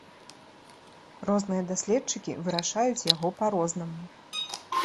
Розныя даследчыкі вырашаюць яго па-рознаму.